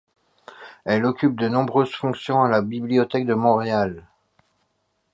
Elle occupe de nombreuses fonctions à la Bibliothèque de Montréal.